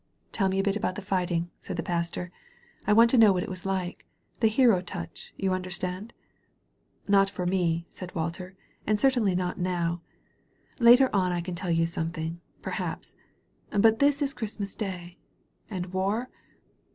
'* ''Tell me a bit about the fighting/' said the Pas tor, "I want to know what it was Uke — ^the hero touch — ^you understand ?" "Not for me," said Walter, "and certainly not now. Later on I can tell you something, perhaps. But this is Christmas Day. And war?